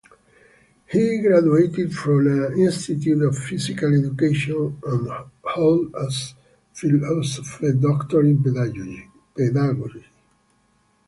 He graduated from an institute of physical education and holds a PhD in pedagogy.